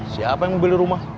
siapa yang mau beli rumah